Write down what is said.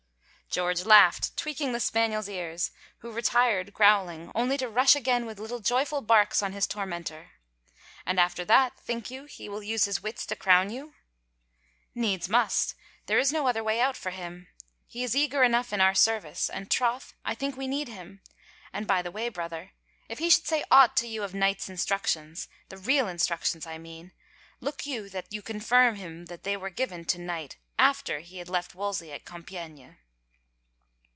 George laughed, tweaking the spaniel's ears, who re tired growling only to rush again with little joyful barks on his tormentor. " And after that, think you, he will use his wits to crown you?" " Need's must — there is no other way out for him. He is eager enough in our service, and troth, I think we need him. •.. And, by the way, brother, if he should 142 THE ENLIGHTENMENT say aught to you of Knight's instructions, the real in structions, I mean, look you that you confirm him that they were given to Knight after he had left Wolsey at Gjmpiegne."